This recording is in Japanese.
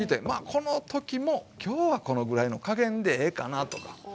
この時も今日はこのぐらいの加減でええかなとかね。